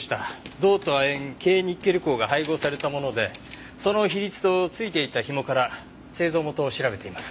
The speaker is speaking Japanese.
銅と亜鉛珪ニッケル鉱が配合されたものでその比率と付いていたひもから製造元を調べています。